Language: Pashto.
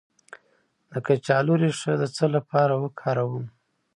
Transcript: د کچالو ریښه د څه لپاره وکاروم؟